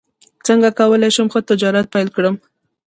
څنګه کولی شم ښه تجارت پیل کړم